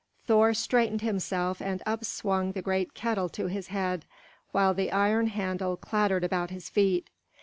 Thor straightened himself, and up swung the giant kettle to his head, while the iron handle clattered about his feet.